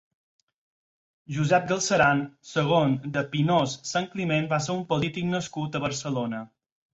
Josep Galceran segon de Pinós-Santcliment va ser un polític nascut a Barcelona.